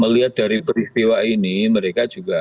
melihat dari peristiwa ini mereka juga